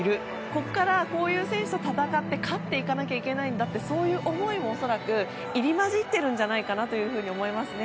ここから、こういう選手と戦って勝っていかなきゃいけいないんだてそういう思いも恐らく入り混じってるんじゃないかと思います。